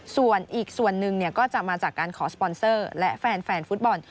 ส่วนอีกส่วนหนึ่งก็จะมาจากการขอสปอนเซอร์และแฟนฟุตบอล